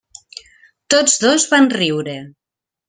Tots dos van riure.